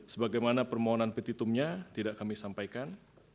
sebagaimana permohonan petitumnya tidak kami sampaikan